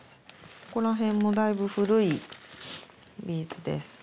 ここら辺もだいぶ古いビーズです。